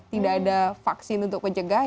tidak ada vaksin untuk mencegah